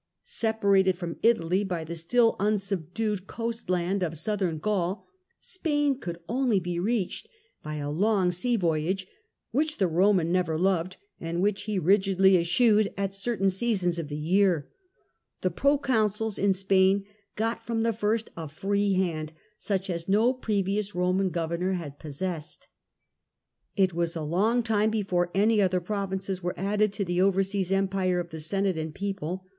Separated from Italy by the still unsubdued coast land of Southern Gaul, Spain could only be reached by a long sea voyage, which the Roman never loved, and which he rigidly eschewed at certain seasons of the year. The pro consuls in Spain got from the first a free hand such as no previous Roman governor had possessed. It was a long time before any other provinces were added to the over seas empire of the Senate and People.